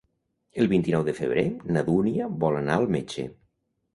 El vint-i-nou de febrer na Dúnia vol anar al metge.